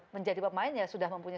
menjadi pemain ya sudah mempunyai